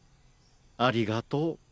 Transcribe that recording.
ありがとう。